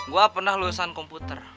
gue pernah lulusan komputer